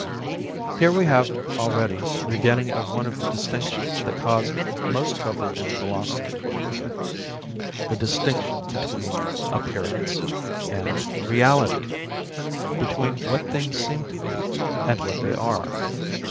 Here we have already the beginning of one of the distinctions that cause most trouble in philosophy the distinction between 'appearance' and 'reality', between what things seem to be and what they are.